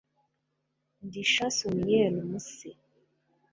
ndi chansonnière muse